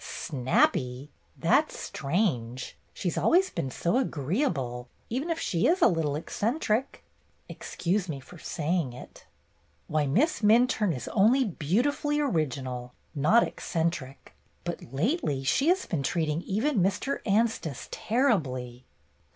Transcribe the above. " Snappy ! That 's strange. She 's always been so agreeable, even if she is a little eccen tric. Excuse me for saying it." "Why, Miss Minturne is only beautifully original, not eccentric. But lately she has been treating even Mr. Anstice terribly."